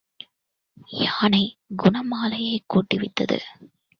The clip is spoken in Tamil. யானை குணமாலையைக் கூட்டுவித்தது.